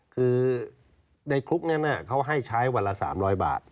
คือในคุกนั้นเขาให้ใช้วันละ๓๐๐บาท